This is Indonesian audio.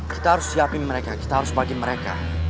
kita harus siapin mereka kita harus bagi mereka